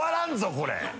これ。